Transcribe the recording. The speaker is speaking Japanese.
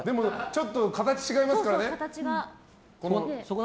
ちょっと形、違いますからね。